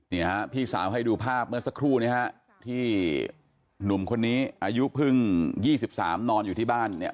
นี่ฮะพี่สาวให้ดูภาพเมื่อสักครู่นี้ฮะที่หนุ่มคนนี้อายุเพิ่ง๒๓นอนอยู่ที่บ้านเนี่ย